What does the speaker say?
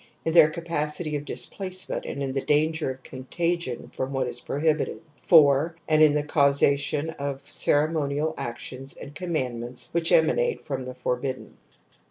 in their capacity of displacement and in the danger of contagion from what is prohibited, 4. and in the causation of ceremonial actions and conuhandments which emanate from the forbidden.